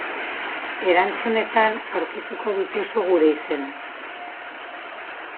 Erantzunetan aurkituko dituzu gure izenak.